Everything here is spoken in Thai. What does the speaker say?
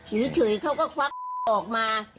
อยู่เฉยเขาก็ควักออกมา